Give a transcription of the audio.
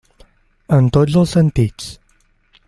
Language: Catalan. En tots els sentits.